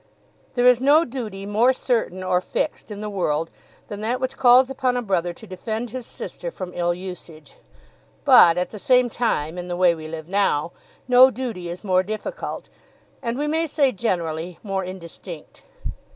There is no duty more certain or fixed in the world than that which calls upon a brother to defend his sister from ill usage; but, at the same time, in the way we live now, no duty is more difficult, and we may say generally more indistinct.